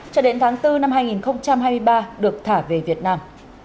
cho đến tháng bốn năm hai nghìn hai mươi ba được thả về việt nam